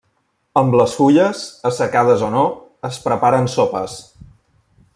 Amb les fulles, assecades o no, es preparen sopes.